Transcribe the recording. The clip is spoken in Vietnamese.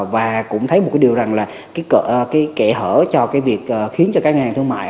và cũng thấy một cái điều rằng là cái kệ hở cho cái việc khiến cho các ngân hàng thương mại